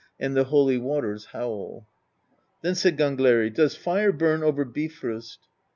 And the holy waters howl." Then said Gangleri: " Does fire burn over Bifrost?"